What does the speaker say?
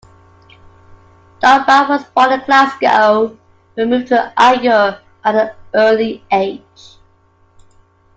Dunbar was born in Glasgow but moved to Ayr at an early age.